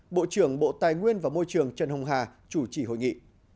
bộ trưởng bộ tài nguyên và môi trường trần hồng hà chủ trì hội nghị